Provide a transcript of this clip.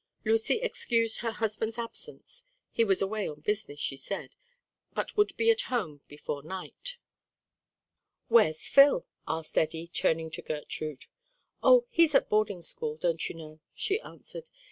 Lucy excused her husband's absence: he was away on business, she said, but would be at home before night. "Where's Phil?" asked Eddie, turning to Gertrude. "Oh, he's at boarding school, don't you know?" she answered.